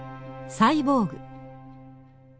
サイボーグ。